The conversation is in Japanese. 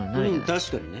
確かにね。